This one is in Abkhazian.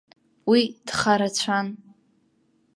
Уи дхарацәан.